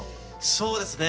そうですね。